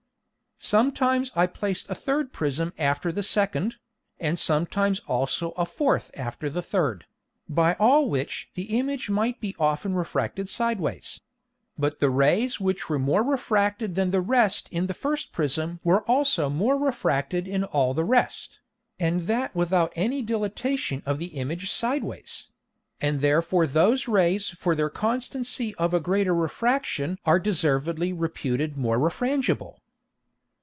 Sometimes I placed a third Prism after the second, and sometimes also a fourth after the third, by all which the Image might be often refracted sideways: but the Rays which were more refracted than the rest in the first Prism were also more refracted in all the rest, and that without any Dilatation of the Image sideways: and therefore those Rays for their constancy of a greater Refraction are deservedly reputed more refrangible.